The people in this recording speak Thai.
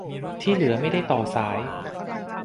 ที่เหลือไม่ได้ต่อสาย